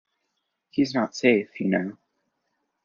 He's not safe, you know.